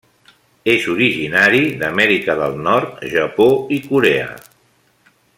És originari d'Amèrica del Nord, Japó i Corea.